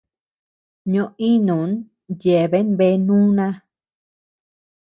Ño-ínun yeaben bea núna.